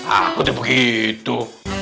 aku takut gitu